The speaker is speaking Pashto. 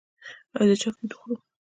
ایا زه چاکلیټ وخورم؟